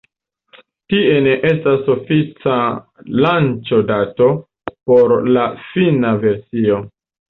Tie ne estas ofica lanĉo-dato por la fina versio.